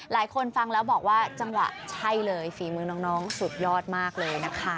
ฟังแล้วบอกว่าจังหวะใช่เลยฝีมือน้องสุดยอดมากเลยนะคะ